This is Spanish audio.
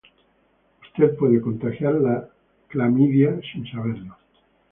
Usted puede contagiar la clamidia sin saberlo.